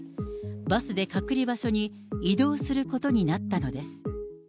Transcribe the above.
バスで隔離場所に移動することになったのです。